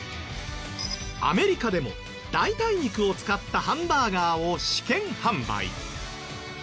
アメリカでも代替肉を使ったハンバーガーを試験販売。